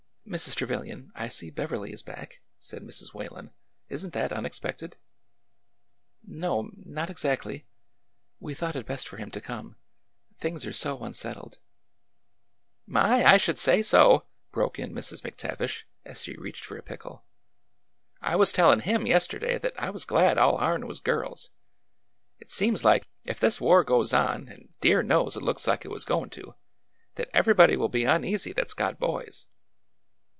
'' Mrs. Trevilian, I see Beverly is back," said Mrs. Whalen. " Is n^t that unexpected ?" No'm,— not exactly. We thought it best for him to come. Things are so unsettled —" My! I should say so! " broke in Mrs. McTavish, as she reached for a pickle. '' I was tellin' him yesterday that I was glad all ourn was girls. It seems like, ef this war goes on,— and, dear knows, it looks like it was goin' to, — that everybody will be uneasy that 's got boys."